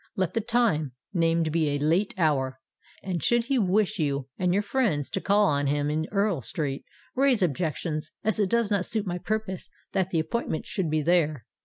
Let the time named be a late hour; and should he wish you and your friends to call on him in Earl Street, raise objections, as it does not suit my purpose that the appointment should be there.